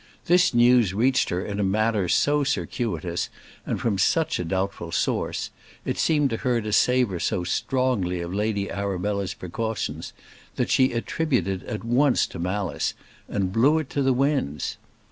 This news reached her in a manner so circuitous, and from such a doubtful source; it seemed to her to savour so strongly of Lady Arabella's precautions, that she attributed it at once to malice, and blew it to the winds.